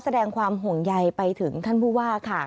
แสดงความห่วงใยไปถึงท่านผู้ว่าค่ะ